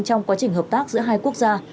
trong quá trình hợp tác giữa hai quốc gia